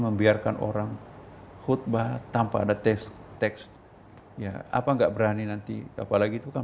membiarkan orang khutbah tanpa ada tes teks ya apa enggak berani nanti apalagi itu kan